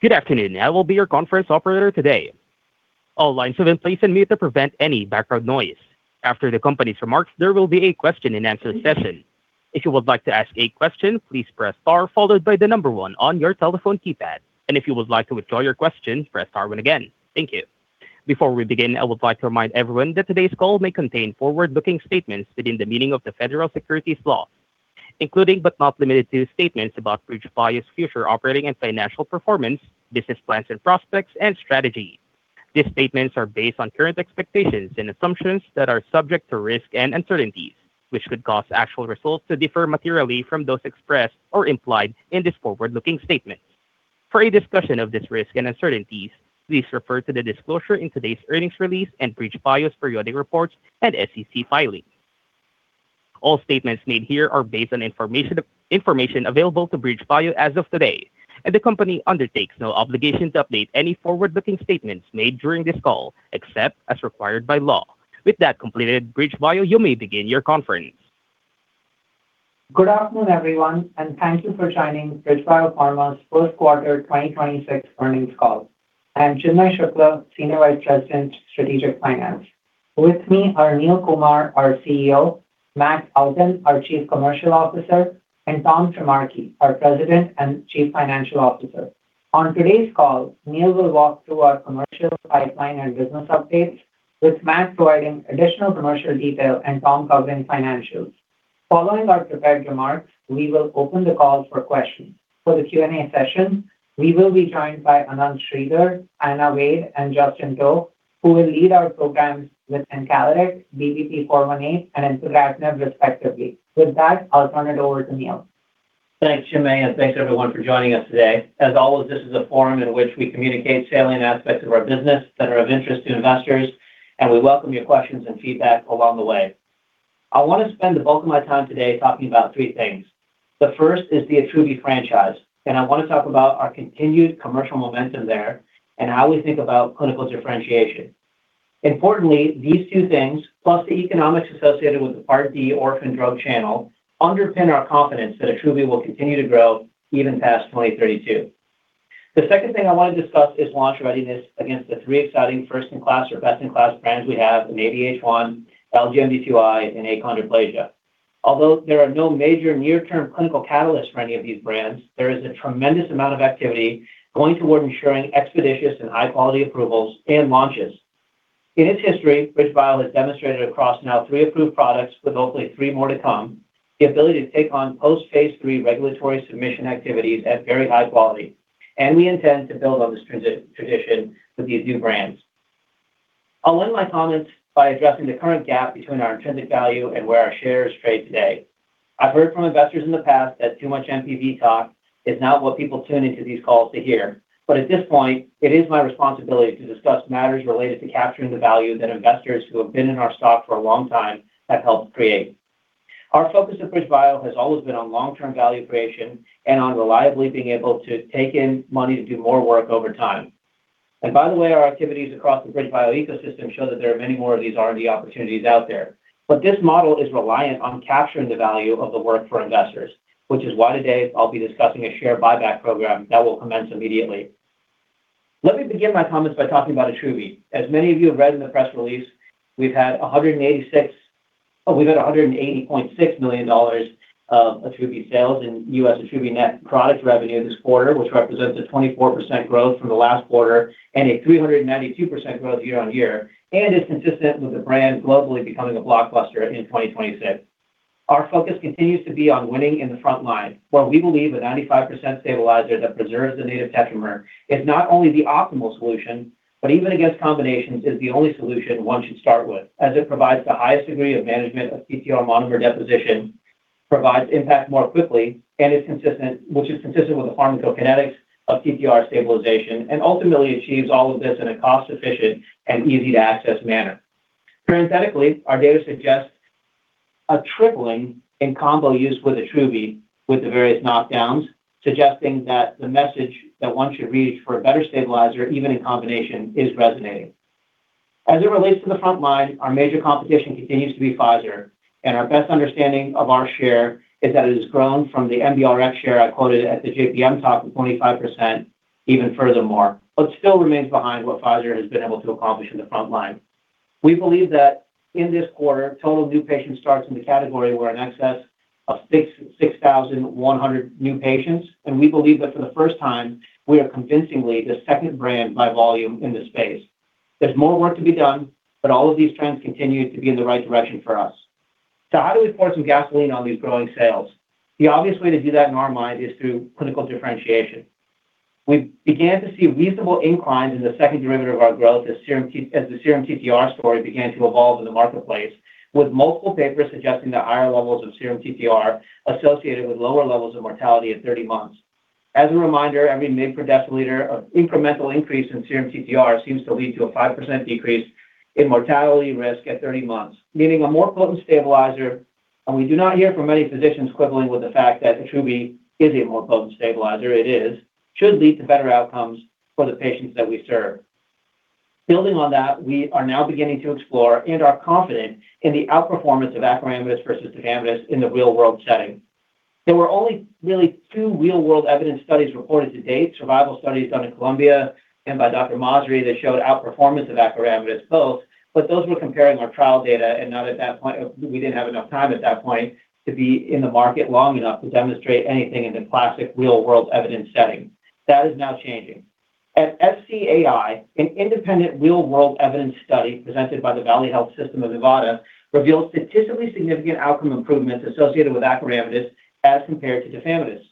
Good afternoon, I will be your conference operator today. All lines have been placed in mute to prevent any background noise. After the company's remarks, there will be a question and answer session. If you would like to ask a question, please press star followed by the number one on your telephone keypad. And if you would like to withdraw your question, press star one again. Thank you. Before we begin, I would like to remind everyone that today's call may contain forward-looking statements within the meaning of the federal securities law, including but not limited to statements about BridgeBio's future operating and financial performance, business plans and prospects and strategy. These statements are based on current expectations and assumptions that are subject to risks and uncertainties, which could cause actual results to differ materially from those expressed or implied in these forward-looking statements. For a discussion of this risk and uncertainties, please refer to the disclosure in today's earnings release and BridgeBio's periodic reports and SEC filings. All statements made here are based on information available to BridgeBio as of today. The company undertakes no obligation to update any forward-looking statements made during this call, except as required by law. With that completed, BridgeBio, you may begin your conference. Good afternoon, everyone, thank you for joining BridgeBio Pharma's first quarter 2026 earnings call. I am Chinmay Shukla, Senior Vice President, Strategic Finance. With me are Neil Kumar, our CEO; Matt Outten, our Chief Commercial Officer; and Tom Trimarchi, our President and Chief Financial Officer. On today's call, Neil will walk through our commercial pipeline and business updates, with Matt providing additional commercial detail and Tom covering financials. Following our prepared remarks, we will open the call for questions. For the Q&A session, we will be joined by Ananth Sridhar, Anna Wade, and Justin To, who will lead our programs with encaleret, BBP-418, and respectively. With that, I'll turn it over to Neil. Thanks, Chinmay. Thanks everyone for joining us today. As always, this is a forum in which we communicate salient aspects of our business that are of interest to investors, and we welcome your questions and feedback along the way. I want to spend the bulk of my time today talking about three things. The first is the Attruby franchise, and I want to talk about our continued commercial momentum there and how we think about clinical differentiation. Importantly, these two things, plus the economics associated with the RD orphan drug channel, underpin our confidence that Attruby will continue to grow even past 2032. The second thing I want to discuss is launch readiness against the three exciting first-in-class or best-in-class brands we have in ADH1, LGMD2I, and achondroplasia. Although there are no major near-term clinical catalysts for any of these brands, there is a tremendous amount of activity going toward ensuring expeditious and high-quality approvals and launches. In its history, BridgeBio has demonstrated across now three approved products, with hopefully three more to come, the ability to take on post-phase III regulatory submission activities at very high quality. We intend to build on this tradition with these new brands. I'll end my comments by addressing the current gap between our intrinsic value and where our shares trade today. I've heard from investors in the past that too much NPV talk is not what people tune into these calls to hear. At this point, it is my responsibility to discuss matters related to capturing the value that investors who have been in our stock for a long time have helped create. Our focus at BridgeBio has always been on long-term value creation and on reliably being able to take in money to do more work over time. By the way, our activities across the BridgeBio ecosystem show that there are many more of these RD opportunities out there. This model is reliant on capturing the value of the work for investors, which is why today I will be discussing a share buyback program that will commence immediately. Let me begin my comments by talking about Attruby. As many of you have read in the press release, we've had $180.6 million of Attruby sales in U.S. Attruby net product revenue this quarter, which represents a 24% growth from the last quarter and a 392% growth year-over-year, and is consistent with the brand globally becoming a blockbuster in 2026. Our focus continues to be on winning in the front line, where we believe a 95% stabilizer that preserves the native tetramer is not only the optimal solution, but even against combinations is the only solution one should start with, as it provides the highest degree of management of TTR amyloid deposition, provides impact more quickly, and is consistent, which is consistent with the pharmacokinetics of TTR stabilization, and ultimately achieves all of this in a cost-efficient and easy-to-access manner. Parenthetically, our data suggests a tripling in combo use with Attruby with the various knockdowns, suggesting that the message that one should reach for a better stabilizer, even in combination, is resonating. As it relates to the front line, our major competition continues to be Pfizer, and our best understanding of our share is that it has grown from the medRxiv share I quoted at the JPM talk of 25% even furthermore, but still remains behind what Pfizer has been able to accomplish in the front line. We believe that in this quarter, total new patient starts in the category were in excess of 6,100 new patients, and we believe that for the first time, we are convincingly the second brand by volume in this space. There's more work to be done, but all of these trends continue to be in the right direction for us. How do we pour some gasoline on these growing sales? The obvious way to do that in our mind is through clinical differentiation. We began to see reasonable inclines in the second derivative of our growth as the serum TTR story began to evolve in the marketplace, with multiple papers suggesting that higher levels of serum TTR associated with lower levels of mortality at 30 months. As a reminder, every one mid per deciliter of incremental increase in serum TTR seems to lead to a 5% decrease in mortality risk at 30 months, meaning a more potent stabilizer, and we do not hear from many physicians quibbling with the fact that Attruby is a more potent stabilizer, it is, should lead to better outcomes for the patients that we serve. Building on that, we are now beginning to explore and are confident in the outperformance of acoramidis versus tafamidis in the real-world setting. There were only really two real-world evidence studies reported to date, survival studies done in Columbia and by Dr. Masri that showed outperformance of acoramidis both. Those were comparing our trial data. We didn't have enough time at that point to be in the market long enough to demonstrate anything in the classic real-world evidence setting. That is now changing. At SCAI, an independent real-world evidence study presented by the Valley Health System of Nevada revealed statistically significant outcome improvements associated with acoramidis as compared to tafamidis.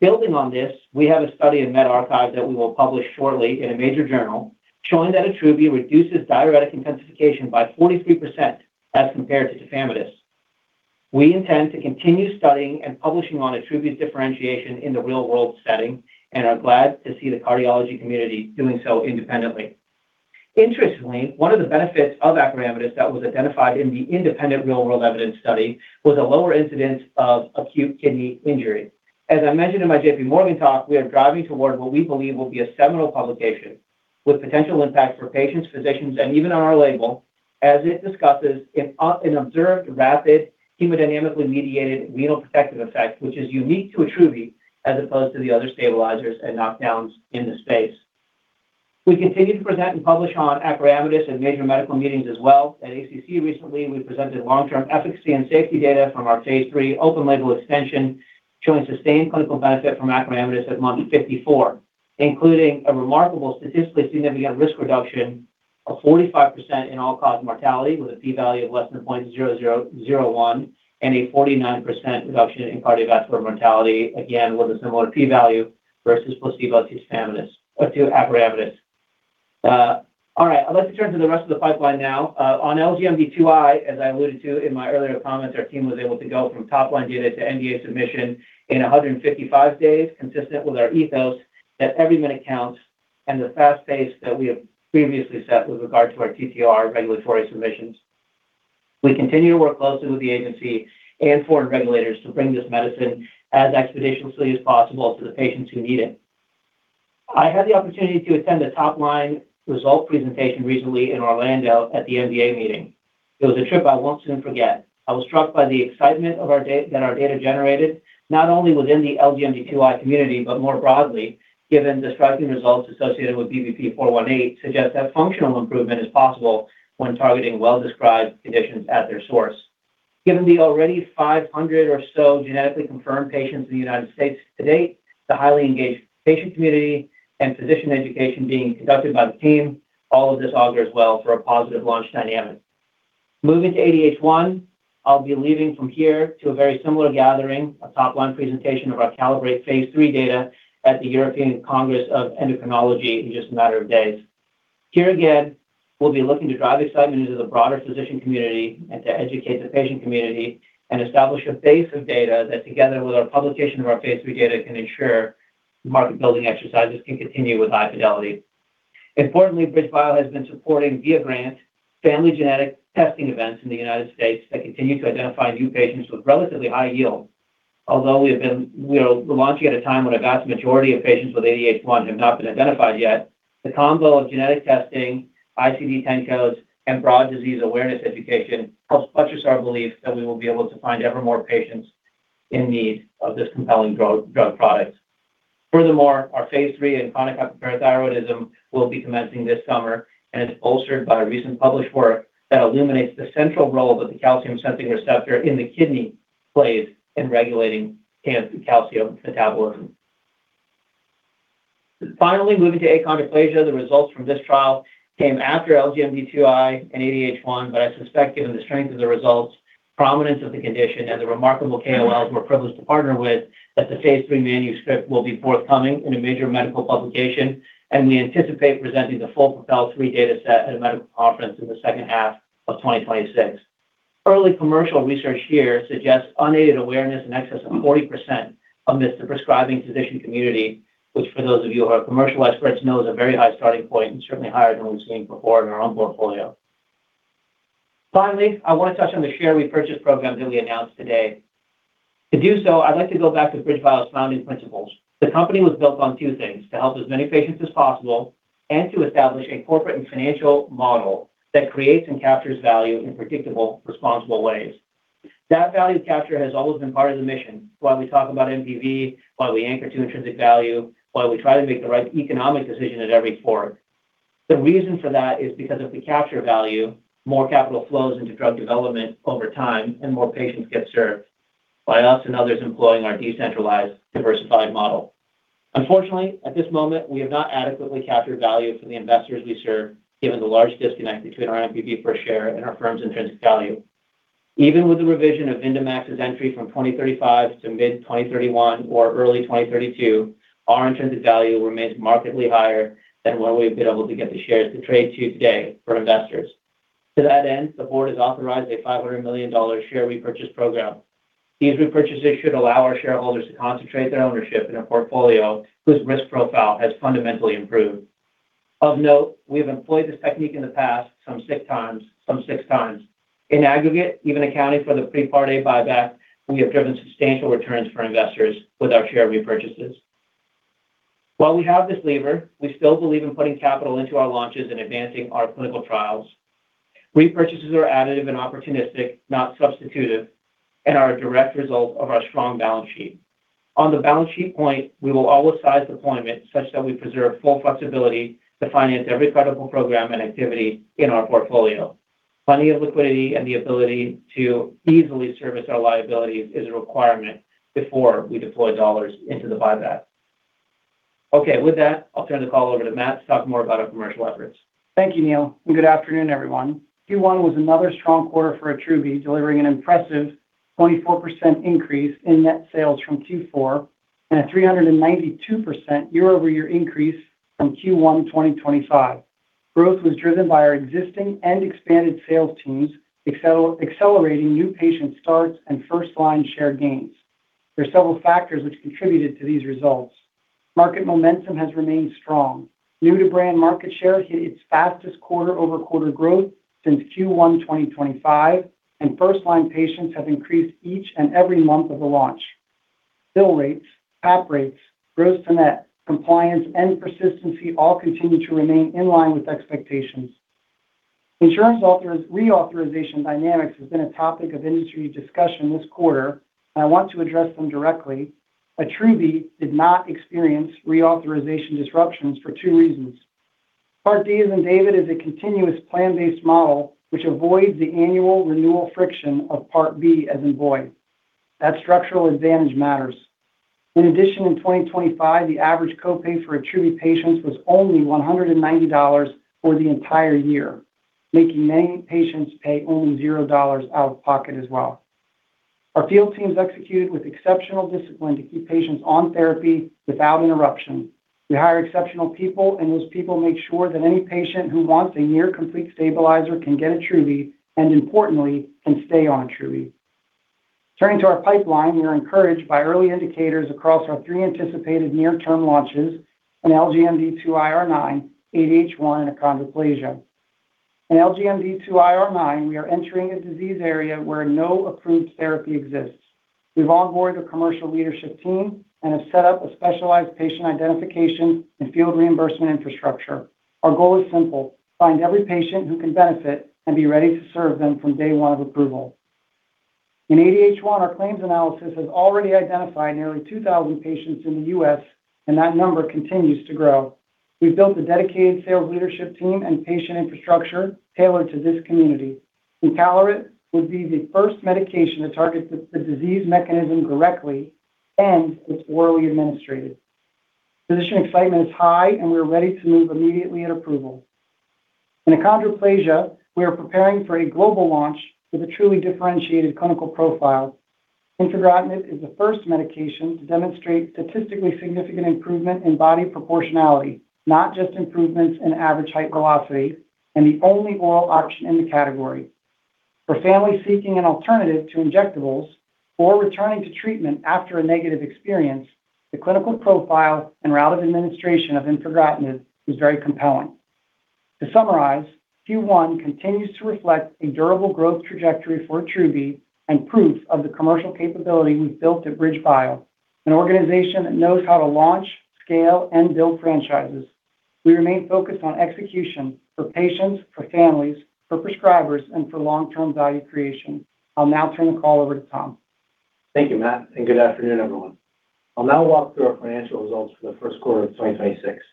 Building on this, we have a study in medRxiv that we will publish shortly in a major journal showing that Attruby reduces diuretic intensification by 43% as compared to tafamidis. We intend to continue studying and publishing on Attruby's differentiation in the real-world setting and are glad to see the cardiology community doing so independently. Interestingly, one of the benefits of acoramidis that was identified in the independent real-world evidence study was a lower incidence of acute kidney injury. As I mentioned in my JPMorgan talk, we are driving toward what we believe will be a seminal publication with potential impact for patients, physicians, and even on our label, as it discusses an observed rapid hemodynamically mediated renal protective effect, which is unique to ATTRUBY as opposed to the other stabilizers and knockdowns in the space. We continue to present and publish on acoramidis at major medical meetings as well. At ACC recently, we presented long-term efficacy and safety data from our phase III open label extension showing sustained clinical benefit from acoramidis at month 54, including a remarkable statistically significant risk reduction of 45% in all-cause mortality with a P value of less than 0.0001 and a 49% reduction in cardiovascular mortality, again, with a similar P value versus placebo tafamidis or to acoramidis. All right. I'd like to turn to the rest of the pipeline now. On LGMD2I, as I alluded to in my earlier comments, our team was able to go from top-line data to NDA submission in 155 days, consistent with our ethos that every minute counts and the fast pace that we have previously set with regard to our TTR regulatory submissions. We continue to work closely with the agency and foreign regulators to bring this medicine as expeditiously as possible to the patients who need it. I had the opportunity to attend a top-line result presentation recently in Orlando at the NDA meeting. It was a trip I won't soon forget. I was struck by the excitement that our data generated, not only within the LGMD2I community, but more broadly, given the striking results associated with BBP-418 suggest that functional improvement is possible when targeting well-described conditions at their source. Given the already 500 or so genetically confirmed patients in the U.S. to date, the highly engaged patient community and physician education being conducted by the team, all of this augurs well for a positive launch dynamic. Moving to ADH1, I'll be leaving from here to a very similar gathering, a top-line presentation of our CALIBRATE phase III data at the European Congress of Endocrinology in just a matter of days. Here again, we'll be looking to drive excitement into the broader physician community and to educate the patient community and establish a base of data that, together with our publication of our phase III data, can ensure market building exercises can continue with high fidelity. Importantly, BridgeBio has been supporting via grant family genetic testing events in the U.S. that continue to identify new patients with relatively high yield. Although we are launching at a time when a vast majority of patients with ADH1 have not been identified yet, the combo of genetic testing, ICD-10 codes, and broad disease awareness education helps buttress our belief that we will be able to find ever more patients in need of this compelling drug product. Furthermore, our phase III in chronic hypoparathyroidism will be commencing this summer and is bolstered by recent published work that illuminates the central role that the calcium-sensing receptor in the kidney plays in regulating calcium metabolism. Finally, moving to achondroplasia, the results from this trial came after LGMD2I and ADH1, I suspect given the strength of the results, prominence of the condition, and the remarkable KOLs we're privileged to partner with, that the phase III manuscript will be forthcoming in a major medical publication, and we anticipate presenting the full PROPEL 3 data set at a medical conference in the second half of 2026. Early commercial research here suggests unaided awareness in excess of 40% amidst the prescribing physician community, which for those of you who are commercial experts know is a very high starting point and certainly higher than what we've seen before in our own portfolio. Finally, I want to touch on the share repurchase program that we announced today. To do so, I'd like to go back to BridgeBio's founding principles. The company was built on two things: to help as many patients as possible and to establish a corporate and financial model that creates and captures value in predictable, responsible ways. That value capture has always been part of the mission. While we talk about NPV, while we anchor to intrinsic value, while we try to make the right economic decision at every point. The reason for that is because if we capture value, more capital flows into drug development over time and more patients get served by us and others employing our decentralized, diversified model. Unfortunately, at this moment, we have not adequately captured value for the investors we serve, given the large disconnect between our NPV per share and our firm's intrinsic value. Even with the revision of VYNDAMAX's entry from 2035 to mid-2031 or early 2032, our intrinsic value remains markedly higher than what we've been able to get the shares to trade to today for investors. To that end, the board has authorized a $500 million share repurchase program. These repurchases should allow our shareholders to concentrate their ownership in a portfolio whose risk profile has fundamentally improved. Of note, we have employed this technique in the past some six times. In aggregate, even accounting for the we have driven substantial returns for investors with our share repurchases. While we have this lever, we still believe in putting capital into our launches and advancing our clinical trials. Repurchases are additive and opportunistic, not substitutive, and are a direct result of our strong balance sheet. On the balance sheet point, we will always size deployment such that we preserve full flexibility to finance every credible program and activity in our portfolio. Plenty of liquidity and the ability to easily service our liabilities is a requirement before we deploy dollars into the buyback. Okay. With that, I'll turn the call over to Matt to talk more about our commercial efforts. Thank you, Neil, and good afternoon, everyone. Q1 was another strong quarter for Attruby, delivering an impressive 24% increase in net sales from Q4 and a 392% year-over-year increase from Q1 2025. Growth was driven by our existing and expanded sales teams accelerating new patient starts and first-line share gains. There are several factors which contributed to these results. Market momentum has remained strong. New-to-brand market share hit its fastest quarter-over-quarter growth since Q1 2025, and first-line patients have increased each and every month of the launch. Bill rates, cap rates, gross to net, compliance and persistency all continue to remain in line with expectations. Insurance authorizations reauthorization dynamics has been a topic of industry discussion this quarter, and I want to address them directly. Attruby did not experience reauthorization disruptions for two reasons. Part D as in David is a continuous plan-based model which avoids the annual renewal friction of Part B as in boy. That structural advantage matters. In 2025, the average co-pay for ATTRUBY patients was only $190 for the entire year, making many patients pay only $0 out of pocket as well. Our field teams executed with exceptional discipline to keep patients on therapy without interruption. We hire exceptional people, those people make sure that any patient who wants a near-complete stabilizer can get ATTRUBY and importantly, can stay on ATTRUBY. Turning to our pipeline, we are encouraged by early indicators across our three anticipated near-term launches in LGMD2I/R9, ADH1, and achondroplasia. In LGMD2I/R9, we are entering a disease area where no approved therapy exists. We've onboarded a commercial leadership team and have set up a specialized patient identification and field reimbursement infrastructure. Our goal is simple: find every patient who can benefit and be ready to serve them from day one of approval. In ADH1, our claims analysis has already identified nearly 2,000 patients in the U.S., and that number continues to grow. We've built a dedicated sales leadership team and patient infrastructure tailored to this community. Encaleret would be the first medication to target the disease mechanism directly and it's orally administered. Physician excitement is high, and we're ready to move immediately at approval. In achondroplasia, we are preparing for a global launch with a truly differentiated clinical profile. Infigratinib is the first medication to demonstrate statistically significant improvement in body proportionality, not just improvements in average height velocity and the only oral option in the category. For families seeking an alternative to injectables or returning to treatment after a negative experience, the clinical profile and route of administration of infigratinib is very compelling. To summarize, Q1 continues to reflect a durable growth trajectory for Attruby and proof of the commercial capability we've built at BridgeBio, an organization that knows how to launch, scale, and build franchises. We remain focused on execution for patients, for families, for prescribers, and for long-term value creation. I'll now turn the call over to Tom. Thank you, Matt, and good afternoon, everyone. I'll now walk through our financial results for the first quarter of 2026.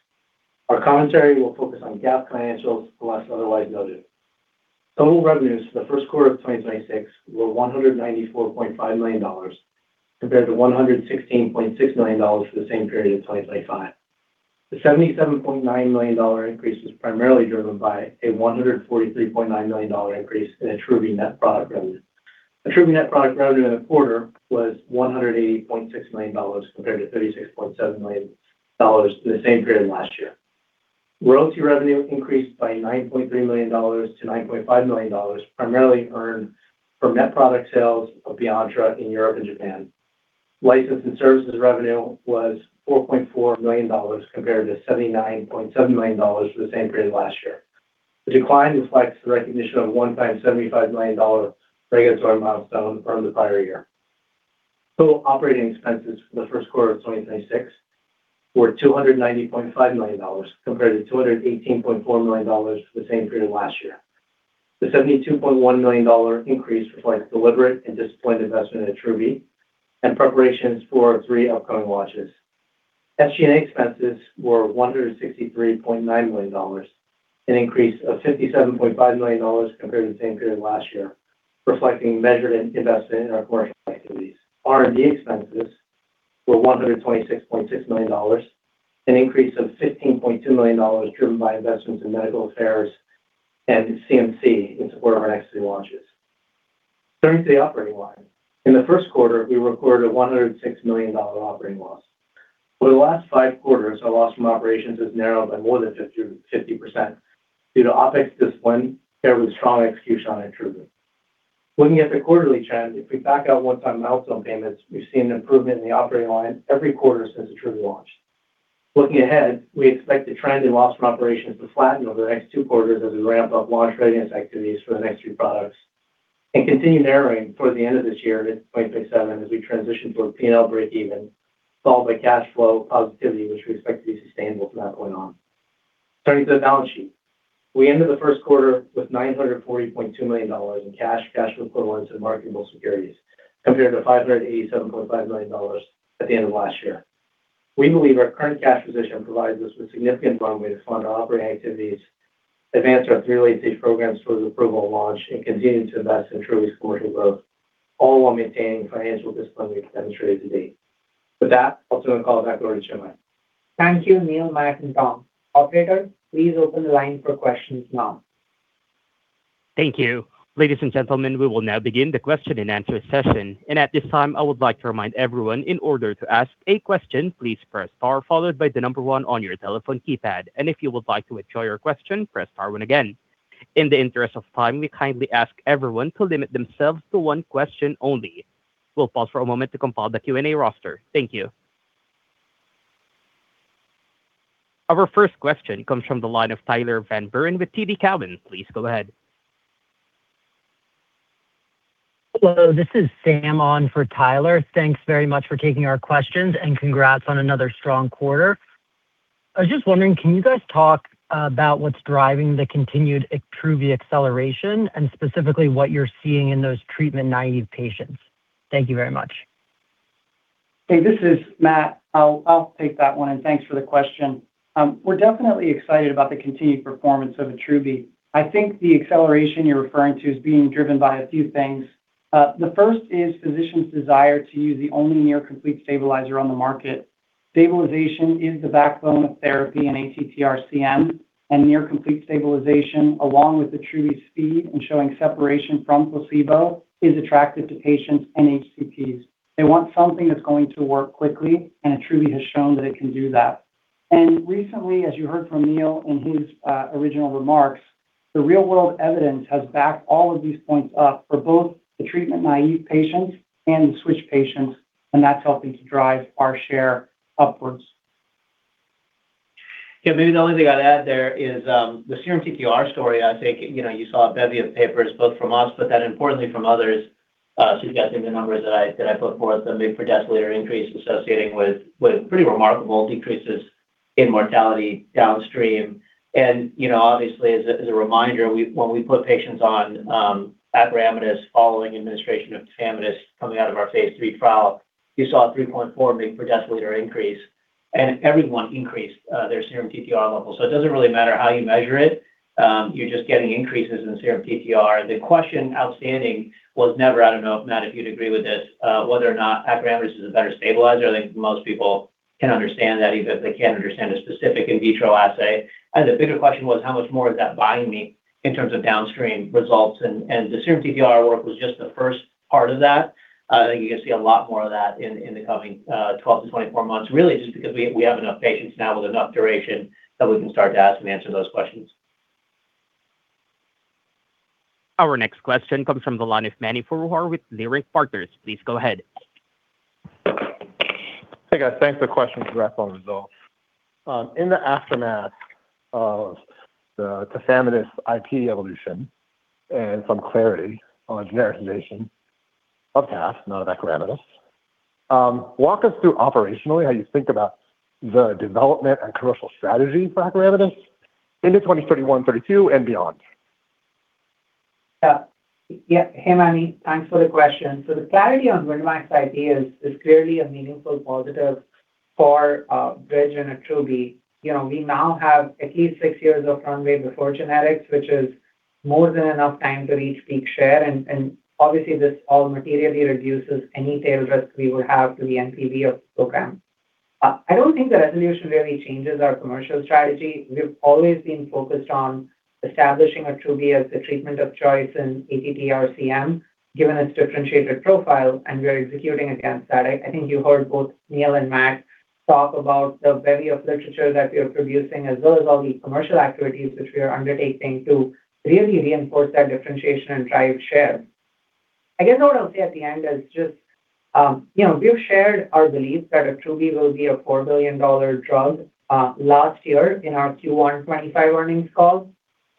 Our commentary will focus on GAAP financials, unless otherwise noted. Total revenues for the first quarter of 2026 were $194.5 million compared to $116.6 million for the same period in 2025. The $77.9 million increase was primarily driven by a $143.9 million increase in ATTRUBY net product revenue. ATTRUBY net product revenue in the quarter was $180.6 million compared to $36.7 million for the same period last year. Royalty revenue increased by $9.3 million to $9.5 million, primarily earned from net product sales of BEYONTTRA in Europe and Japan. License and services revenue was $4.4 million compared to $79.7 million for the same period last year. The decline reflects the recognition of a one-time $75 million regulatory milestone earned the prior year. Total operating expenses for the first quarter of 2026 were $290.5 million compared to $218.4 million for the same period last year. The $72.1 million increase reflects deliberate and disciplined investment in ATTRUBY and preparations for three upcoming launches. SG&A expenses were $163.9 million, an increase of $57.5 million compared to the same period last year, reflecting measured investment in our commercial activities. R&D expenses were $126.6 million, an increase of $15.2 million driven by investments in medical affairs and CMC in support of our next three launches. Turning to the operating line. In the first quarter, we recorded a $106 million operating loss. For the last five quarters, our loss from operations has narrowed by more than 50% due to OpEx discipline paired with strong execution on ATTRUBY. Looking at the quarterly trend, if we back out one-time milestone payments, we've seen an improvement in the operating line every quarter since ATTRUBY launched. Looking ahead, we expect the trend in loss from operations to flatten over the next two quarters as we ramp up launch readiness activities for the next three products and continue narrowing towards the end of this year to 2027 as we transition to a P&L breakeven, followed by cash flow positivity, which we expect to be sustainable from that point on. Turning to the balance sheet. We ended the first quarter with $940.2 million in cash equivalents, and marketable securities, compared to $587.5 million at the end of last year. We believe our current cash position provides us with significant runway to fund our operating activities, advance our three late-stage programs towards approval and launch, and continue to invest in true exploratory growth, all while maintaining financial discipline we've demonstrated to date. With that, I'll turn the call back over to Chinmay. Thank you, Neil, Matt, and Tom. Operator, please open the line for questions now. Thank you. Ladies and gentlemen, we will now begin the question and answer session. At this time, I would like to remind everyone in order to ask a question, please press star followed by the number one on your telephone keypad. If you would like to withdraw your question, press star one again. In the interest of time, we kindly ask everyone to limit themselves to one question only. We will pause for a moment to compile the Q&A roster. Thank you. Our first question comes from the line of Tyler Van Buren with TD Cowen. Please go ahead. Hello, this is Sam on for Tyler. Thanks very much for taking our questions, and congrats on another strong quarter. I was just wondering, can you guys talk about what's driving the continued ATTRUBY acceleration and specifically what you're seeing in those treatment-naive patients? Thank you very much. Hey, this is Matt. I'll take that one. Thanks for the question. We're definitely excited about the continued performance of ATTRUBY. I think the acceleration you're referring to is being driven by a few things. The first is physicians' desire to use the only near complete stabilizer on the market. Stabilization is the backbone of therapy in ATTR-CM. Near complete stabilization, along with ATTRUBY speed and showing separation from placebo, is attractive to patients and HCPs. They want something that's going to work quickly. ATTRUBY has shown that it can do that. Recently, as you heard from Neil in his original remarks, the real-world evidence has backed all of these points up for both the treatment-naive patients and switch patients. That's helping to drive our share upwards. Maybe the only thing I'd add there is, the serum TTR story, you know, you saw a bevy of papers, both from us, importantly from others. You've got the numbers that I put forth, the mg per deciliter increase associating with pretty remarkable decreases in mortality downstream. You know, obviously, as a reminder, when we put patients on acoramidis following administration of tafamidis coming out of our phase III trial, you saw a 3.4 mg per deciliter increase. Everyone increased their serum TTR levels. It doesn't really matter how you measure it. You're just getting increases in serum TTR. The question outstanding was never, I don't know, Matt, if you'd agree with this, whether or not acoramidis is a better stabilizer. I think most people can understand that even if they can't understand a specific in vitro assay. The bigger question was, how much more is that buying me in terms of downstream results? The serum TTR work was just the first part of that. I think you're gonna see a lot more of that in the coming 12 to 24 months, really just because we have enough patients now with enough duration that we can start to ask and answer those questions. Our next question comes from the line of Mani Foroohar with Leerink Partners. Please go ahead. Hey, guys. Thanks for the question. Congrats on the results. In the aftermath of the tafamidis IP evolution and some clarity on genericization of past, not acoramidis, walk us through operationally how you think about the development and commercial strategy for acoramidis into 2031, 32 and beyond.+ Yeah. Yeah. Hey, Mani. Thanks for the question. The clarity on Pfizer's IP is clearly a meaningful positive for Bridge and ATTRUBY. You know, we now have at least six years of runway before genetics, which is more than enough time to reach peak share. Obviously, this all materially reduces any tail risk we would have to the NPV of the program. I don't think the resolution really changes our commercial strategy. We've always been focused on establishing ATTRUBY as the treatment of choice in ATTR-CM, given its differentiated profile, and we are executing against that. I think you heard both Neil and Matt talk about the bevy of literature that we are producing as well as all the commercial activities which we are undertaking to really reinforce that differentiation and drive share. I guess what I'll say at the end is just, you know, we've shared our belief that ATTRUBY will be a $4 billion drug last year in our Q1 2025 earnings call.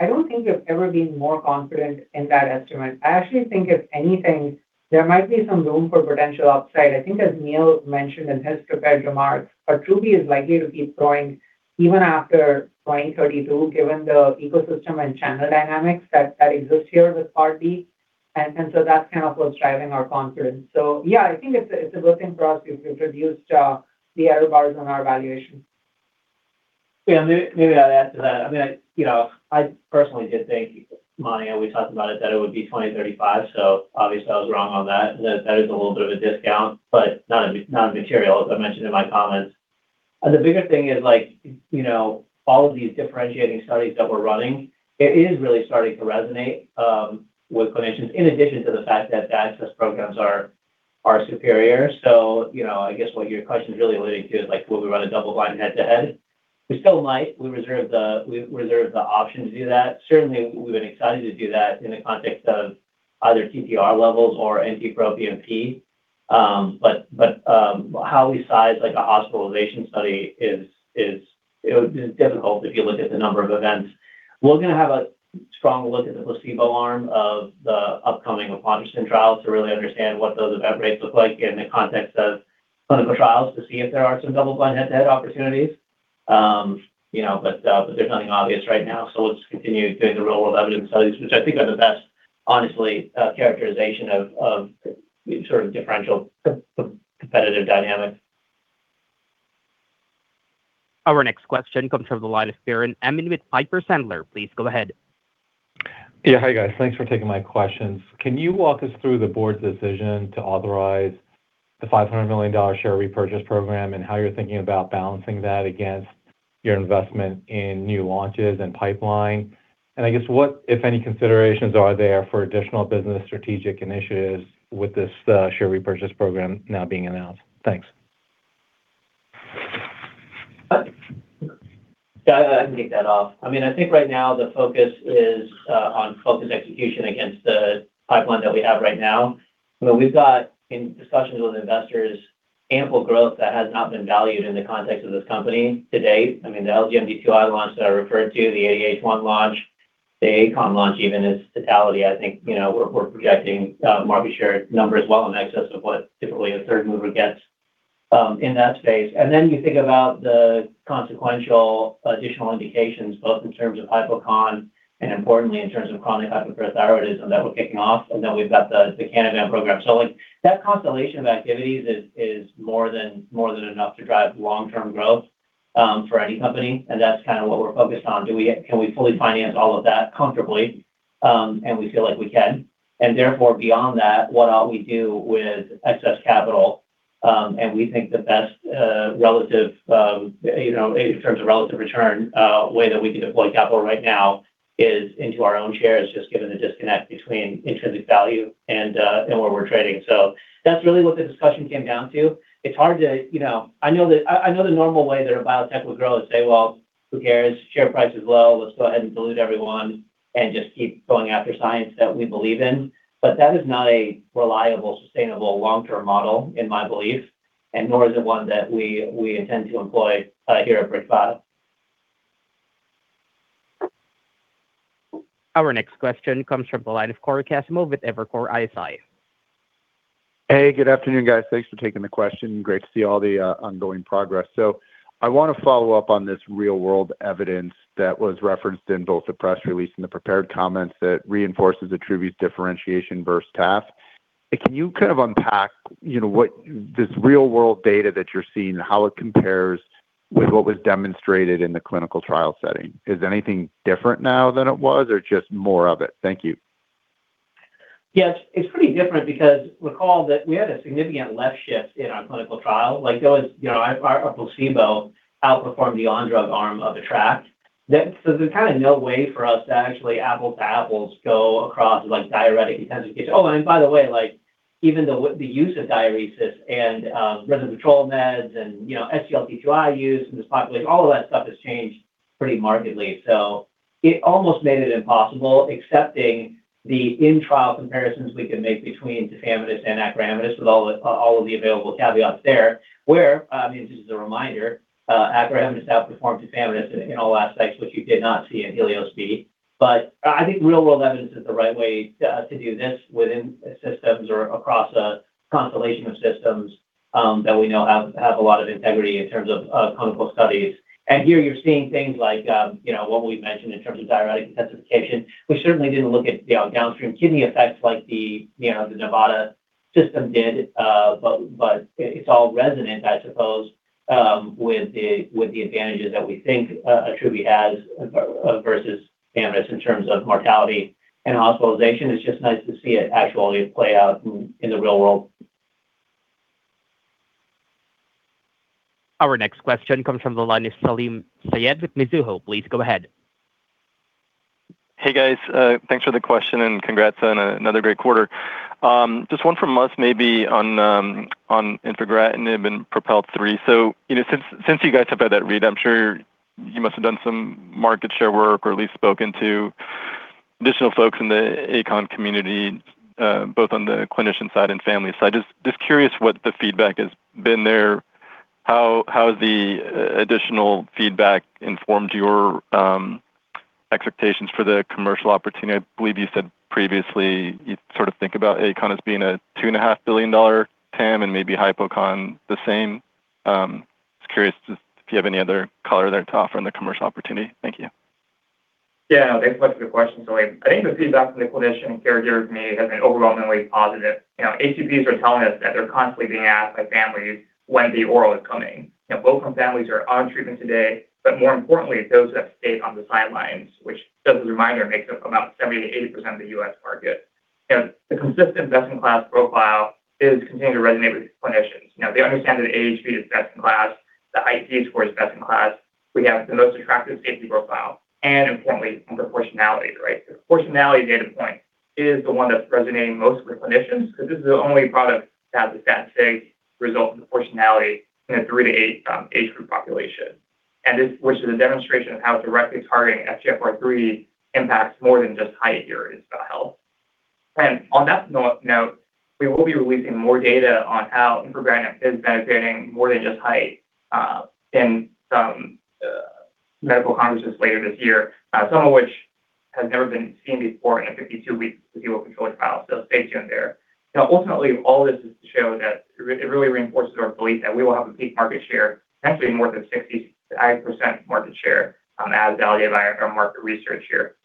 I don't think we've ever been more confident in that estimate. I actually think if anything, there might be some room for potential upside. I think as Neil mentioned in his prepared remarks, ATTRUBY is likely to keep growing even after 2032, given the ecosystem and channel dynamics that exist here with Part D. That's kind of what's driving our confidence. Yeah, I think it's a good thing for us. We've reduced the error bars on our evaluation. Yeah. Maybe I'll add to that. I mean, I, you know, I personally did think, Mani, and we talked about it, that it would be 2035. Obviously I was wrong on that. That is a little bit of a discount, but not material, as I mentioned in my comments. The bigger thing is, like, you know, all of these differentiating studies that we're running, it is really starting to resonate with clinicians in addition to the fact that the access programs are superior. You know, I guess what your question is really alluding to is, like, will we run a double-blind head-to-head? We still might. We reserve the option to do that. Certainly, we've been excited to do that in the context of either TTR levels or NT-proBNP. How we size a hospitalization study is difficult if you look at the number of events. We're gonna have a strong look at the placebo arm of the upcoming eplontersen trial to really understand what those event rates look like in the context of clinical trials to see if there are some double blind head-to-head opportunities. You know, there's nothing obvious right now, so let's continue doing the real world evidence studies, which I think are the best, honestly, characterization of sort of differential competitive dynamics. Our next question comes from the line of Biren Amin with Piper Sandler. Please go ahead. Yeah, hi guys. Thanks for taking my questions. Can you walk us through the board's decision to authorize the $500 million share repurchase program and how you're thinking about balancing that against your investment in new launches and pipeline? I guess what, if any, considerations are there for additional business strategic initiatives with this share repurchase program now being announced? Thanks. Yeah, I can kick that off. I mean, I think right now the focus is on focused execution against the pipeline that we have right now. You know, we've got in discussions with investors ample growth that has not been valued in the context of this company to date. I mean, the LGMD2I launch that I referred to, the ADH1 launch, the achon launch even in its totality. I think, you know, we're projecting market share number is well in excess of what typically a third mover gets in that space. You think about the consequential additional indications both in terms of hypoparathyroidism and importantly in terms of chronic hypoparathyroidism that we're kicking off. We've got the Canavan program. Like, that constellation of activities is more than enough to drive long-term growth for any company, and that's kind of what we're focused on. Can we fully finance all of that comfortably? We feel like we can. Therefore, beyond that, what ought we do with excess capital? We think the best relative, you know, in terms of relative return, way that we can deploy capital right now is into our own shares, just given the disconnect between intrinsic value and where we're trading. That's really what the discussion came down to. You know, I know the normal way that a biotech would grow is say, "Well, who cares? Share price is low. Let's go ahead and dilute everyone and just keep going after science that we believe in. That is not a reliable, sustainable long-term model in my belief, and nor is it one that we intend to employ here at BridgeBio. Our next question comes from the line of Cory Kasimov with Evercore ISI. Hey, good afternoon, guys. Thanks for taking the question. Great to see all the ongoing progress. I wanna follow up on this real world evidence that was referenced in both the press release and the prepared comments that reinforces ATTRUBY's differentiation versus taf. Can you kind of unpack, you know, what this real world data that you're seeing, how it compares with what was demonstrated in the clinical trial setting? Is anything different now than it was or just more of it? Thank you. It's pretty different because recall that we had a significant left shift in our clinical trial. Those, you know, our placebo outperformed the on-drug arm of ATTR-ACT. There, there's kinda no way for us to actually apples to apples go across like diuretic intensive case. By the way, like even the use of diuresis and, renocontrol meds and, you know, SGLT2i use in this population, all of that stuff has changed pretty markedly. It almost made it impossible, excepting the in-trial comparisons we can make between tafamidis and acoramidis with all of the available caveats there, where, I mean, just as a reminder, acoramidis outperformed tafamidis in all aspects which you did not see in HELIOS-B. I think real world evidence is the right way to do this within systems or across a constellation of systems that we know have a lot of integrity in terms of clinical studies. Here you're seeing things like, you know, what we've mentioned in terms of diuretic intensification. We certainly didn't look at, you know, downstream kidney effects like the, you know, the Nevada system did. But it's all resonant, I suppose, with the advantages that we think ATTRUBY has versus tafamidis in terms of mortality and hospitalization. It's just nice to see it actually play out in the real world. Our next question comes from the line of Salim Syed with Mizuho. Please go ahead. Hey, guys. Thanks for the question and congrats on another great quarter. Just one from us maybe on infigratinib and PROPEL 3. You know, since you guys have had that read, I'm sure you must have done some market share work or at least spoken to additional folks in the achon community, both on the clinician side and family side. Just curious what the feedback has been there. How has the additional feedback informed your expectations for the commercial opportunity? I believe you said previously you sort of think about achon as being a $2.5 billion TAM and maybe hypoparathyroidism the same. Just curious if you have any other color there to offer on the commercial opportunity. Thank you. Yeah. Thanks much for the question, Salim. I think the feedback from the clinician and caregivers may have been overwhelmingly positive. You know, HCPs are telling us that they're constantly being asked by families when the oral is coming. You know, both from families who are on treatment today, but more importantly, those that have stayed on the sidelines, which just as a reminder makes up about 70%-80% of the U.S. market. You know, the consistent best-in-class profile is continuing to resonate with these clinicians. You know, they understand that the AHV is best in class, the is best in class. We have the most attractive safety profile and importantly, on proportionality, right? The proportionality data point is the one that's resonating most with clinicians, because this is the only product that has a stat sig result in proportionality in a three to eight age group population. This, which is a demonstration of how directly targeting FGFR3 impacts more than just height here in skeletal health. On that note, we will be releasing more data on how infigratinib is benefiting more than just height in some medical conferences later this year, some of which has never been seen before in a 52-week placebo-controlled trial. Stay tuned there. Now, ultimately, all this is to show that it really reinforces our belief that we will have a peak market share, potentially more than 68% market share, as validated by our market research here.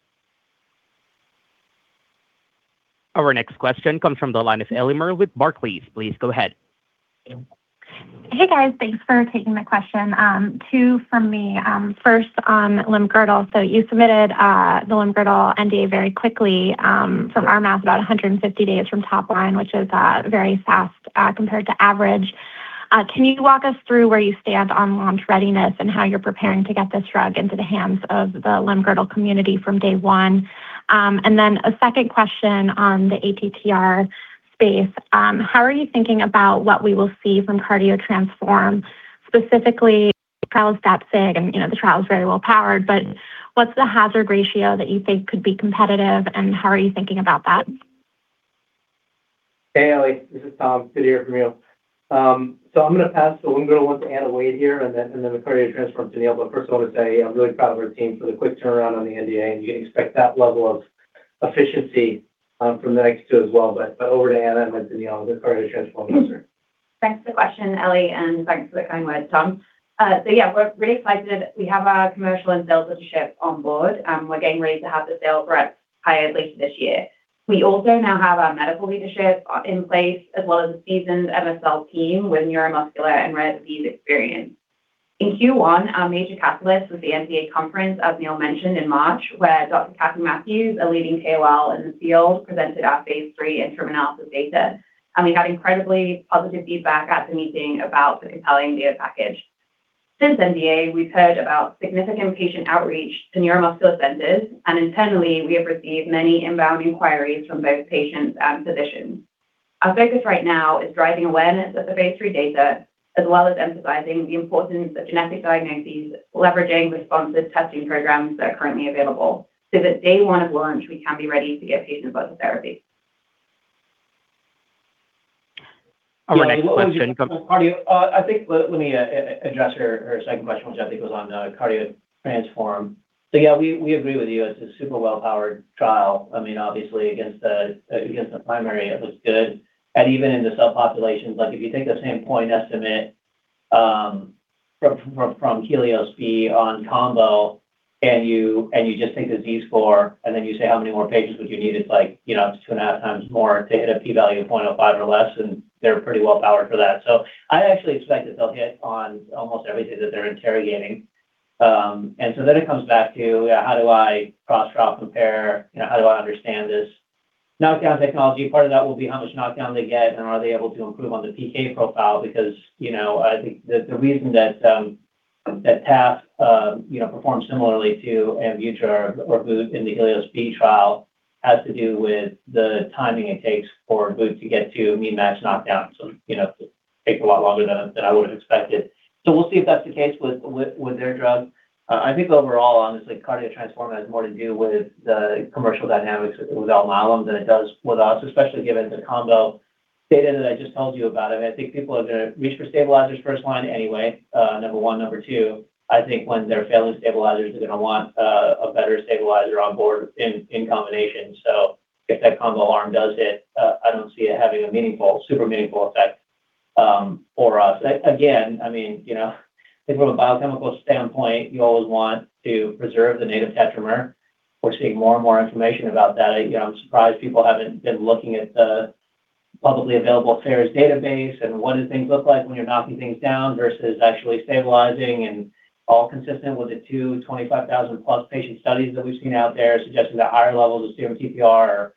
Our next question comes from the line of Ellie Merle with Barclays. Please go ahead. Hey, guys. Thanks for taking my question. Two from me. First, Limb-girdle. You submitted the Limb-girdle NDA very quickly, from our math, about 150 days from top line, which is very fast, compared to average. Can you walk us through where you stand on launch readiness and how you're preparing to get this drug into the hands of the Limb-girdle community from day one? A second question on the ATTR space. How are you thinking about what we will see from CARDIO-TRANSFORM, specifically trial stat sig? You know, the trial is very well-powered, but what's the hazard ratio that you think could be competitive, and how are you thinking about that? Hey, Ellie. This is Tom Trimarchi. Good to hear from you. I'm gonna pass the limb-girdle one to Anna Wade here and then the CARDIO-TRANSFORM to Neil Kumar. First I want to say I'm really proud of our team for the quick turnaround on the NDA, and you can expect that level of efficiency from the next two as well. Over to Anna Wade and then to Neil Kumar with the CARDIO-TRANSFORM answer. Thanks for the question, Ellie, and thanks for the kind words, Tom. Yeah, we're really excited. We have our commercial and sales leadership on board. We're getting ready to have the sales reps hired later this year. We also now have our medical leadership in place, as well as a seasoned MSL team with neuromuscular and rare disease experience. In Q1, our major catalyst was the NDA conference, as Neil Kumar mentioned in March, where Dr. Kathleen Matthews, a leading KOL in the field, presented our phase II interim analysis data. We got incredibly positive feedback at the meeting about the compelling data package. Since NDA, we've heard about significant patient outreach to neuromuscular centers, and internally, we have received many inbound inquiries from both patients and physicians. Our focus right now is driving awareness of the phase III data, as well as emphasizing the importance of genetic diagnoses, leveraging responses, testing programs that are currently available so that day one of launch, we can be ready to get patients on the therapy. Our next question comes. Yeah. On the Cardio, I think let me address your second question, which I think was on the CARDIO-TRANSFORM. Yeah, we agree with you. It's a super well-powered trial. I mean, obviously against the primary, it looks good. Even in the subpopulations, like, if you take the same point estimate from HELIOS-B on combo and you just take the Z-score and then you say, "How many more patients would you need?" It's like, you know, two and a half times more to hit a P value of 0.05 or less, and they're pretty well powered for that. I actually expect that they'll hit on almost everything that they're interrogating. It comes back to, how do I cross-trial compare? You know, how do I understand this knockdown technology? Part of that will be how much knockdown they get and are they able to improve on the PK profile because, you know, I think the reason that taf, you know, performed similarly to AMVUTTRA or vutrisiran in the HELIOS-B trial has to do with the timing it takes for vutrisiran to get to mean max knockdown. You know, takes a lot longer than I would've expected. We'll see if that's the case with their drug. I think overall, honestly, CARDIO-TRANSFORM has more to do with the commercial dynamics with Alnylam than it does with us, especially given the combo data that I just told you about. I mean, I think people are gonna reach for stabilizers first line anyway, number one. Number two, I think when they're failing stabilizers, they're gonna want a better stabilizer on board in combination. If that combo arm does hit, I don't see it having a meaningful, super meaningful effect for us. Again, I mean, you know, I think from a biochemical standpoint, you always want to preserve the native tetramer. We're seeing more and more information about that. You know, I'm surprised people haven't been looking at the publicly available FAERS database and what do things look like when you're knocking things down versus actually stabilizing and all consistent with the 225,000+ patient studies that we've seen out there suggesting that higher levels of serum TTR are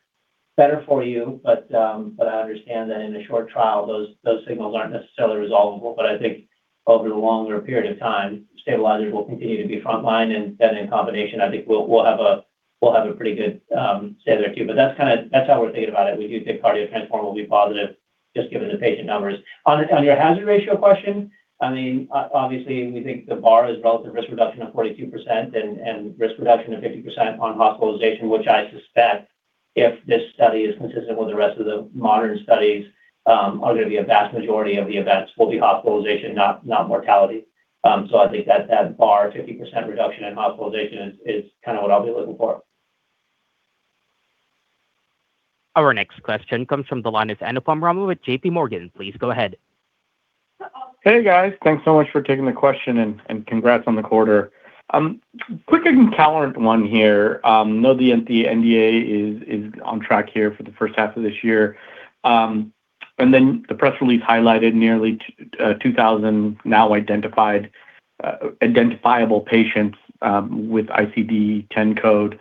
better for you. I understand that in a short trial, those signals aren't necessarily resolvable. I think over the longer period of time, stabilizers will continue to be frontline and then in combination, I think we'll have a pretty good stay there too. That's kinda that's how we're thinking about it. We do think CARDIO-TRANSFORM will be positive just given the patient numbers. On your hazard ratio question, I mean, obviously, we think the bar is relative risk reduction of 42% and risk reduction of 50% on hospitalization, which I suspect if this study is consistent with the rest of the modern studies, are gonna be a vast majority of the events will be hospitalization, not mortality. I think that that bar, 50% reduction in hospitalization is kinda what I'll be looking for. Our next question comes from the line of Anupam Rama with JPMorgan. Please go ahead. Hey, guys. Thanks so much for taking the question and congrats on the quarter. Quick on encaleret 1 here. Know the NDA is on track here for the first half of this year. The press release highlighted nearly 2,000 now identified identifiable patients with ICD-10 code.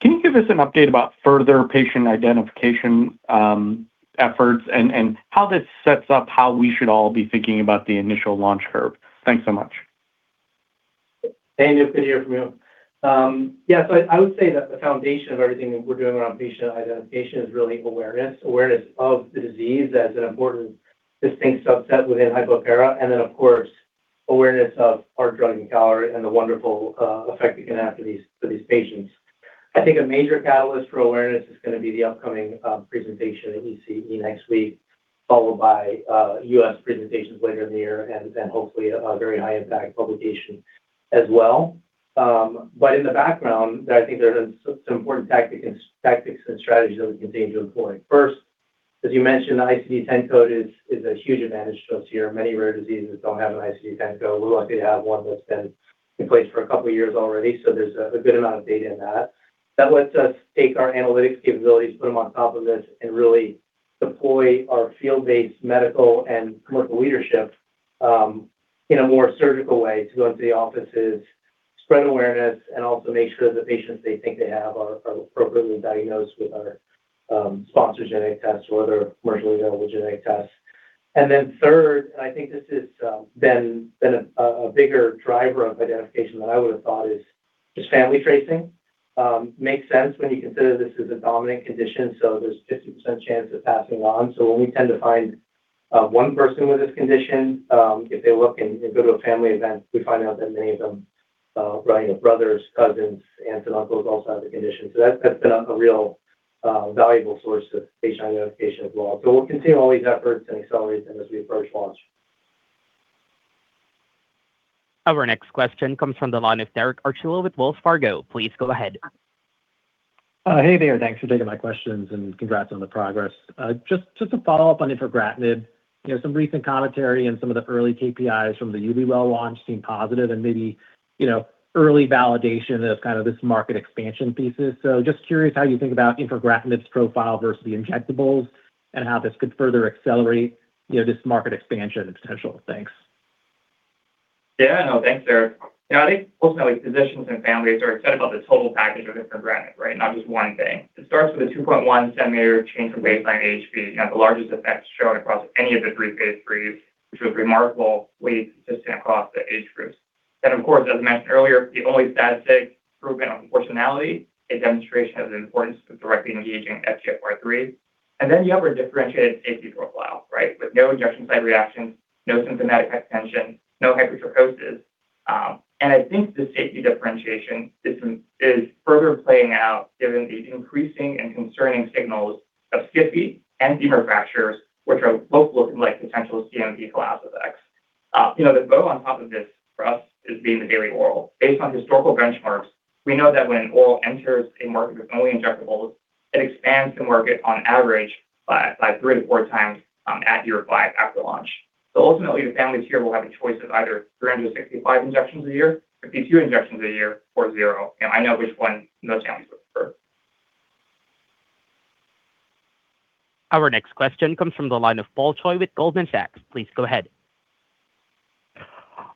Can you give us an update about further patient identification efforts and how this sets up how we should all be thinking about the initial launch curve? Thanks so much. Hey, good to hear from you. I would say that the foundation of everything that we're doing around patient identification is really awareness. Awareness of the disease as an important distinct subset within hypoparathyroidism, and then of course, awareness of our drug, encaleret, and the wonderful effect it can have for these patients. I think a major catalyst for awareness is going to be the upcoming presentation at ECE next week, followed by U.S. presentations later in the year, and then hopefully a very high impact publication as well. In the background, I think there's some important tactics and strategies that we continue to employ. First, as you mentioned, the ICD-10 code is a huge advantage to us here. Many rare diseases don't have an ICD-10 code. We're lucky to have one that's been in place for a couple of years already, so there's a good amount of data in that. That lets us take our analytics capabilities, put them on top of this, and really deploy our field-based medical and commercial leadership in a more surgical way to go into the offices, spread awareness, and also make sure the patients they think they have are appropriately diagnosed with our sponsored genetic tests or other commercially available genetic tests. Third, I think this has been a bigger driver of identification than I would have thought is family tracing. Makes sense when you consider this is a dominant condition, so there's a 50% chance of passing on. When we tend to find one person with this condition, if they look and go to a family event, we find out that many of them, you know, brothers, cousins, aunts and uncles also have the condition. That's been a real valuable source of patient identification as well. We'll continue all these efforts and accelerate them as we approach launch. Our next question comes from the line of Derek Archila with Wells Fargo. Please go ahead. Hey there. Thanks for taking my questions, and congrats on the progress. Just a follow-up on infigratinib. You know, some recent commentary and some of the early KPIs from the ubiwell launch seem positive and maybe, you know, early validation of kind of this market expansion thesis. Just curious how you think about infigratinib's profile versus the injectables and how this could further accelerate, you know, this market expansion potential. Thanks. Thanks, Derek. You know, I think ultimately physicians and families are excited about the total package of infigratinib, right? Not just one thing. It starts with a 2.1 cm change in baseline HV. You know, the largest effects shown across any of the three phase IIIs, which was remarkable weight consistent across the age groups. Of course, as mentioned earlier, the only significant improvement on proportionality, a demonstration of the importance of directly engaging FGFR3. You have a differentiated safety profile, right? With no injection site reactions, no symptomatic hypertension, no hypertriglycerides. I think the safety differentiation system is further playing out given the increasing and concerning signals of SCFE and femur fractures, which are both looking like potential CNP class effects. You know, the bow on top of this for us is being the daily oral. Based on historical benchmarks, we know that when oral enters a market with only injectables, it expands the market on average by three to four times at year five after launch. Ultimately, the families here will have a choice of either 365 injections a year, or 52 injections a year, or zero, and I know which one most families would prefer. Our next question comes from the line of Paul Choi with Goldman Sachs. Please go ahead.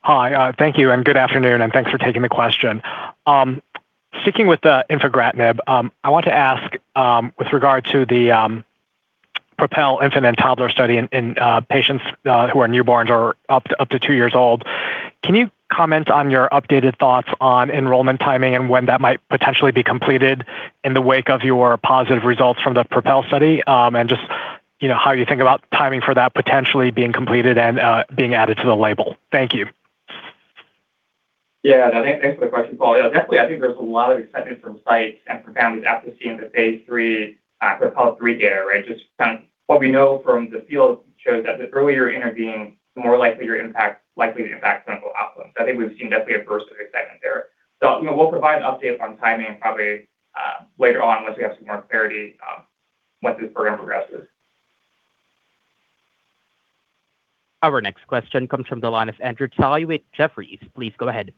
Hi, thank you, and good afternoon, and thanks for taking the question. Sticking with the infigratinib, I want to ask with regard to the PROPEL Infant & Toddler study in patients who are newborns or up to two years old. Can you comment on your updated thoughts on enrollment timing and when that might potentially be completed in the wake of your positive results from the PROPEL study? Just, you know, how you think about timing for that potentially being completed and being added to the label. Thank you. Yeah. No, thanks for the question, Paul. Definitely, I think there's a lot of excitement from sites and from families after seeing the phase III, PROPEL 3 data, right? Just what we know from the field shows that the earlier you intervene, the more likely to impact clinical outcomes. I think we've seen definitely a burst of excitement there. You know, we'll provide an update on timing probably later on once we have some more clarity once this program progresses. Our next question comes from the line of Andrew Tsai with Jefferies. Please go ahead.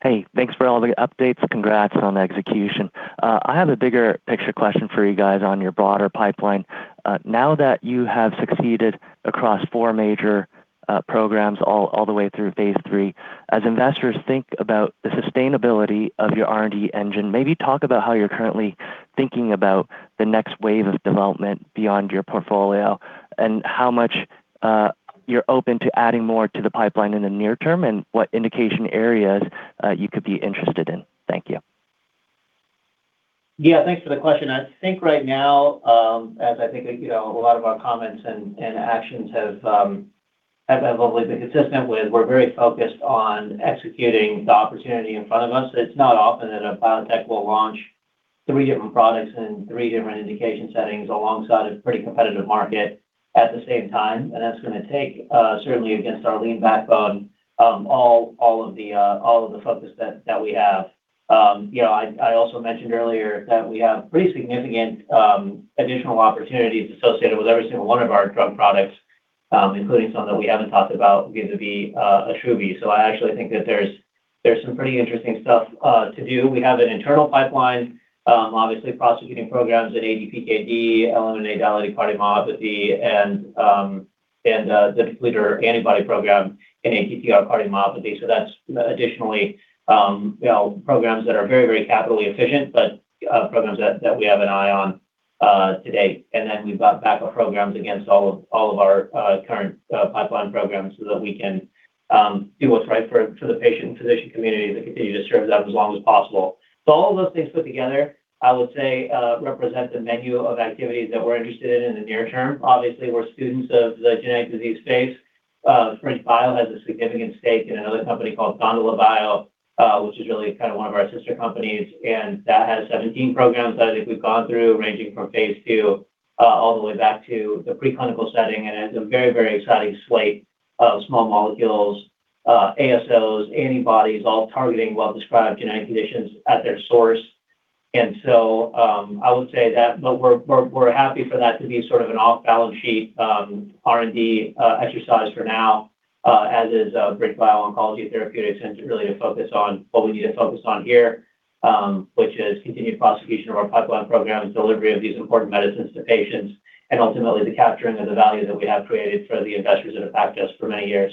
Hey, thanks for all the updates. Congrats on the execution. I have a bigger picture question for you guys on your broader pipeline. Now that you have succeeded across four major programs all the way through phase III, as investors think about the sustainability of your R&D engine, maybe talk about how you're currently thinking about the next wave of development beyond your portfolio and how much you're open to adding more to the pipeline in the near term and what indication areas you could be interested in. Thank you. Yeah, thanks for the question. I think right now, as I think, you know, a lot of our comments and actions have obviously been consistent with, we're very focused on executing the opportunity in front of us. It's not often that a biotech will launch three different products in three different indication settings alongside a pretty competitive market at the same time. That's going to take, certainly against our lean backbone, all of the focus that we have. You know, I also mentioned earlier that we have pretty significant additional opportunities associated with every single one of our drug products, including some that we haven't talked about vis-a-vis Attruby. I actually think that there's some pretty interesting stuff to do. We have an internal pipeline, obviously prosecuting programs at ADPKD, ATTR cardiomyopathy, and the depleter antibody program in ATTR cardiomyopathy. That's additionally, you know, programs that are very, very capitally efficient but programs that we have an eye on to date, we've got backup programs against all of our current pipeline programs so that we can do what's right for the patient and physician community that continue to serve us out as long as possible. All of those things put together, I would say, represent the menu of activities that we're interested in in the near term. Obviously, we're students of the genetic disease space. BridgeBio has a significant stake in another company called GondolaBio, which is really kind of one of our sister companies, that has 17 programs that I think we've gone through, ranging from phase II all the way back to the pre-clinical setting. It has a very, very exciting slate of small molecules, ASOs, antibodies, all targeting well-described genetic conditions at their source. I would say that we're happy for that to be sort of an off-balance sheet R&D exercise for now, as is BridgeBio Oncology Therapeutics and to really focus on what we need to focus on here, which is continued prosecution of our pipeline program and delivery of these important medicines to patients, and ultimately the capturing of the value that we have created for the investors that have backed us for many years.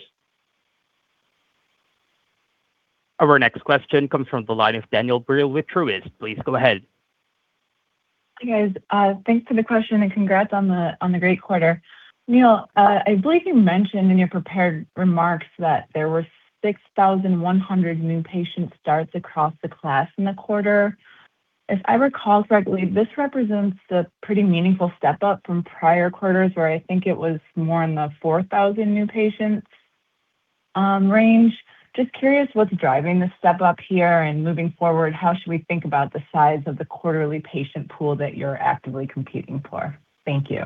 Our next question comes from the line of Danielle Brill with Truist. Please go ahead. Hey, guys. Thanks for the question, and congrats on the great quarter. Neil, I believe you mentioned in your prepared remarks that there were 6,100 new patient starts across the class in the quarter. If I recall correctly, this represents the pretty meaningful step up from prior quarters, where I think it was more in the 4,000 new patients range. Just curious what's driving the step up here. Moving forward, how should we think about the size of the quarterly patient pool that you're actively competing for? Thank you.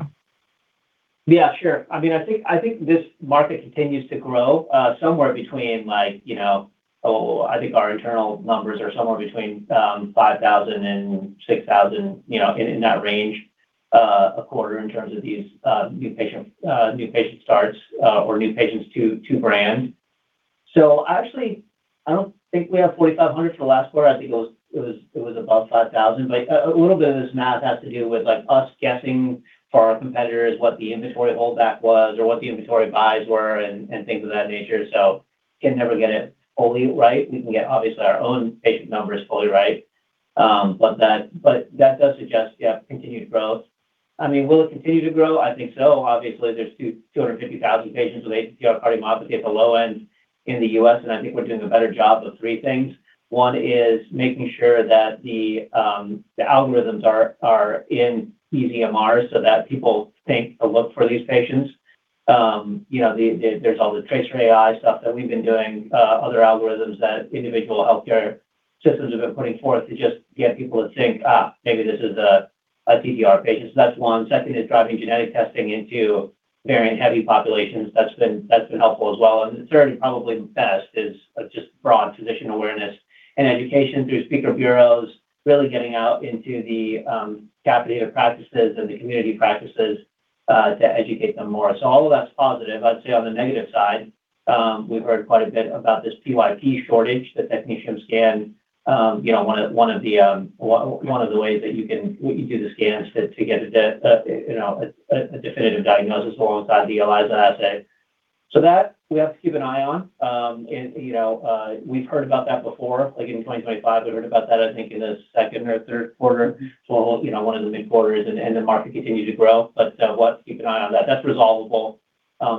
Yeah, sure. I mean, I think, I think this market continues to grow, somewhere between like, you know, I think our internal numbers are somewhere between 5,000 and 6,000, you know, in that range, a quarter in terms of these new patient starts or new patients to brand. Actually, I don't think we have 4,500 for the last quarter. I think it was above 5,000. A little bit of this math has to do with, like, us guessing for our competitors what the inventory holdback was or what the inventory buys were and things of that nature. Can never get it fully right. We can get obviously our own patient numbers fully right. That does suggest, yeah, continued growth. I mean, will it continue to grow? I think so. Obviously, there's 250,000 patients with ATTR cardiomyopathy at the low end in the U.S., and I think we're doing a better job of three things. One is making sure that the algorithms are in eDMRs so that people think to look for these patients. You know, there's all the tracer AI stuff that we've been doing, other algorithms that individual healthcare systems have been putting forth to just get people to think, "Maybe this is a TTR patient." That's one. Second is driving genetic testing into variant-heavy populations. That's been helpful as well. Certainly probably best is just broad physician awareness and education through speaker bureaus, really getting out into the capitated practices and the community practices to educate them more. All of that's positive. I'd say on the negative side, we've heard quite a bit about this PYP shortage, the technetium scan. One of the ways that you can do the scans to get a definitive diagnosis alongside the ELISA assay. That we have to keep an eye on. We've heard about that before. Like in 2025, we heard about that, I think, in the second or third quarter. One of the mid quarters and the market continued to grow. We'll have to keep an eye on that. That's resolvable.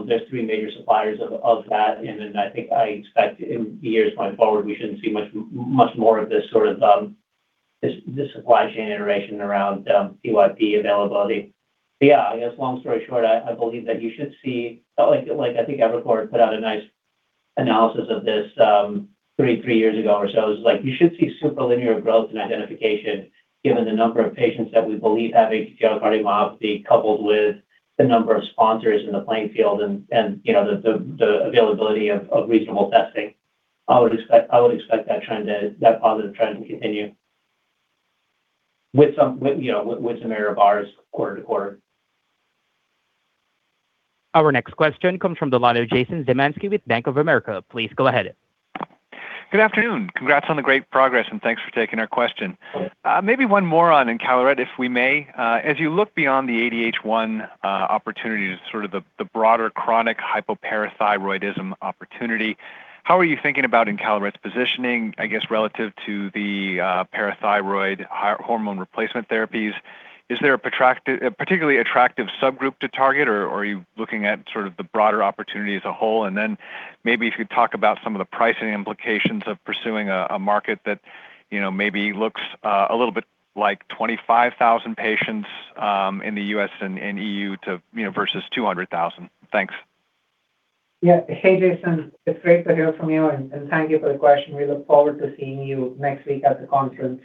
There's three major suppliers of that. I expect in years going forward, we shouldn't see much more of this sort of this supply chain iteration around PYP availability. I believe that you should see Evercore put out a nice analysis of this three years ago or so. It's like you should see super linear growth in identification given the number of patients that we believe have ATTR cardiomyopathy, coupled with the number of sponsors in the playing field and, you know, the availability of reasonable testing. I would expect that positive trend to continue with, you know, with some error of ours quarter-to-quarter. Our next question comes from the line of Jason Zemansky with Bank of America. Please go ahead. Good afternoon. Congrats on the great progress, and thanks for taking our question. Yeah. Maybe 1 more on encaleret, if we may. As you look beyond the ADH1 opportunity to sort of the broader chronic hypoparathyroidism opportunity, how are you thinking about encaleret's positioning, I guess, relative to the parathyroid hormone replacement therapies? Is there a particularly attractive subgroup to target, or are you looking at sort of the broader opportunity as a whole? Maybe if you talk about some of the pricing implications of pursuing a market that, you know, maybe looks a little bit like 25,000 patients in the U.S. and EU to, you know, versus 200,000. Thanks. Yeah. Hey, Jason. It's great to hear from you, and thank you for the question. We look forward to seeing you next week at the conference.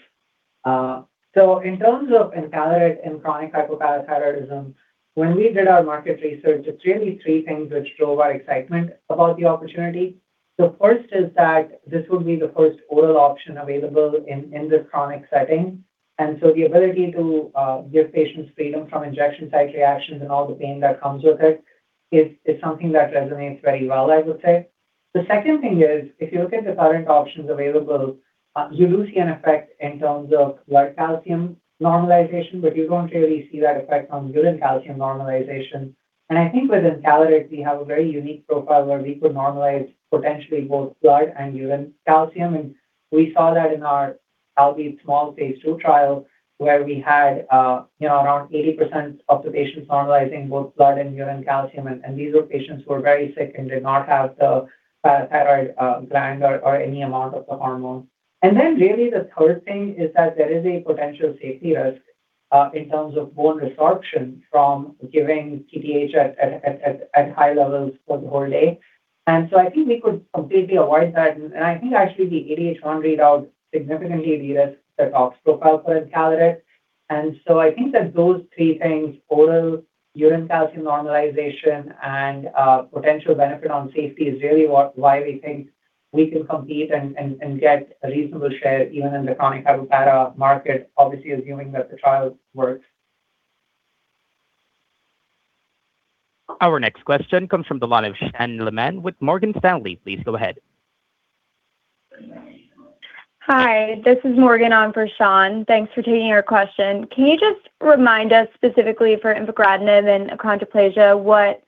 In terms of encaleret and chronic hypoparathyroidism, when we did our market research, it's really three things which drove our excitement about the opportunity. The first is that this will be the first oral option available in this chronic setting. The ability to give patients freedom from injection site reactions and all the pain that comes with it is something that resonates very well, I would say. The second thing is, if you look at the current options available, you do see an effect in terms of blood calcium normalization, you don't really see that effect on urine calcium normalization. I think with encaleret, we have a very unique profile where we could normalize potentially both blood and urine calcium. All these small phase II trials where we had, you know, around 80% of the patients normalizing both blood and urine calcium. These were patients who were very sick and did not have the thyroid gland or any amount of the hormone. The third thing is that there is a potential safety risk in terms of bone resorption from giving PTH at high levels for the whole day. I think we could completely avoid that. I think actually the ADH1 readout significantly de-risks the tox profile for encaleret. I think that those three things, oral urine calcium normalization and potential benefit on safety is really why we think we can compete and get a reasonable share even in the chronic hypoparathyr market, obviously assuming that the trial works. Our next question comes from the line of Sean Laaman with Morgan Stanley. Please go ahead. Hi, this is Morgan on for Sean. Thanks for taking our question. Can you just remind us specifically for infigratinib and achondroplasia what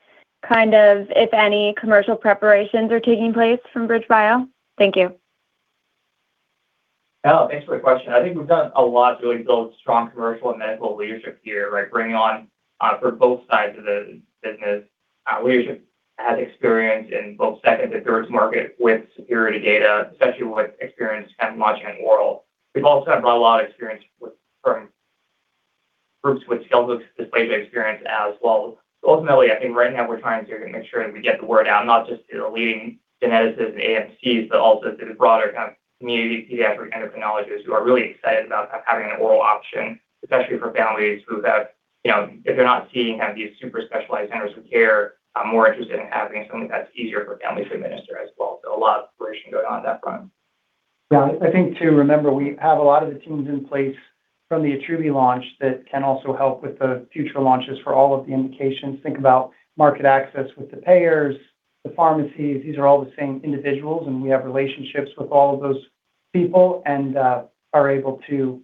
kind of, if any, commercial preparations are taking place from BridgeBio? Thank you. Thanks for the question. I think we've done a lot to really build strong commercial and medical leadership here, right? Bringing on for both sides of the business, leadership has experience in both second and third market with security data, especially with experience kind of launching oral. We've also brought a lot of experience with certain groups with skeletal dysplasias experience as well. Ultimately, I think right now we're trying to make sure that we get the word out, not just to the leading geneticists and AMCs, but also to the broader kind of community pediatric endocrinologists who are really excited about having an oral option, especially for families who have, you know, if they're not seeing kind of these super specialized centers of care, are more interested in having something that's easier for families to administer as well. A lot of exploration going on that front. Yeah, I think to remember we have a lot of the teams in place from the Attruby launch that can also help with the future launches for all of the indications. Think about market access with the payers, the pharmacies. These are all the same individuals, and we have relationships with all of those people and are able to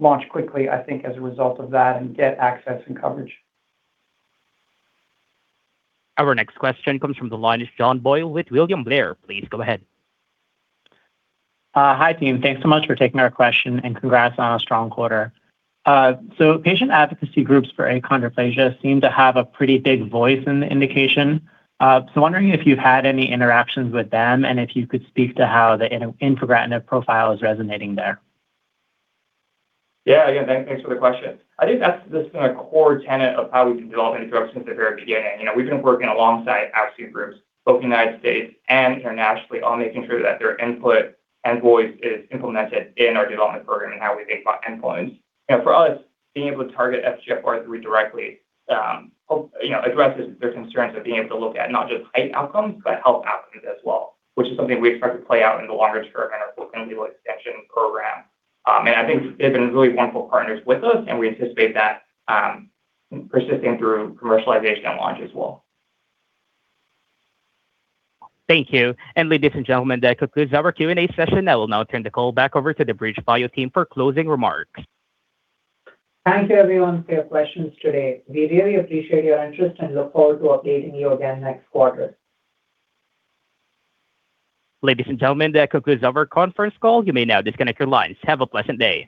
launch quickly, I think, as a result of that and get access and coverage. Our next question comes from the line of John Boyle with William Blair. Please go ahead. Hi, team. Thanks so much for taking our question, and congrats on a strong quarter. Patient advocacy groups for achondroplasia seem to have a pretty big voice in the indication. Wondering if you've had any interactions with them, and if you could speak to how the infigratinib profile is resonating there. Thanks for the question. I think that's just been a core tenet of how we've been developing the drug since the very beginning. We've been working alongside advocacy groups, both in the U.S. and internationally, on making sure that their input and voice is implemented in our development program and how we think about endpoints. For us, being able to target FGFR3 directly, addresses their concerns of being able to look at not just height outcomes, but health outcomes as well, which is something we expect to play out in the longer term in our post-approval extension program. I think they've been really wonderful partners with us, and we anticipate that persisting through commercialization and launch as well. Thank you. Ladies and gentlemen, that concludes our Q&A session. I will now turn the call back over to the BridgeBio team for closing remarks. Thank you everyone for your questions today. We really appreciate your interest and look forward to updating you again next quarter. Ladies and gentlemen, that concludes our conference call. You may now disconnect your lines. Have a pleasant day.